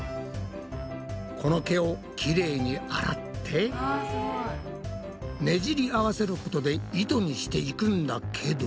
この毛をきれいに洗ってねじり合わせることで糸にしていくんだけど。